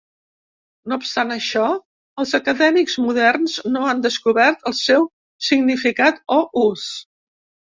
No obstant això, els acadèmics moderns no han descobert el seu significat o ús.